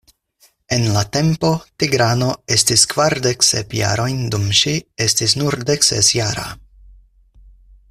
En la tempo, Tigrano estis kvardek sep jarojn dum ŝi estis nur dekses jara.